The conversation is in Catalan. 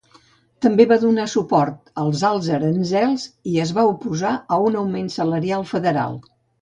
També va donar suport als alts aranzels i es va oposar a un augment salarial federal.